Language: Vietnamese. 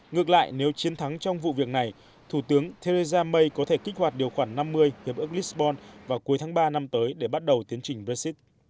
ngược lại nếu chiến thắng trong vụ việc này thủ tướng theresa may có thể kích hoạt điều khoản năm mươi hiệp ước lisbon vào cuối tháng ba năm tới để bắt đầu tiến trình brexit